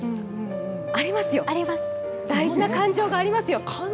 ありますよ、大事な感情がありますよ。